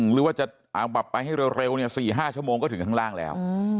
หรือว่าจะไปให้เร็ว๔๕ชั่วโมงก็ถึงข้างล่างแล้ว